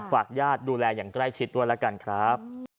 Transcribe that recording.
ฝากญาติดูแลอย่างใกล้ชิดด้วยแล้วกันครับ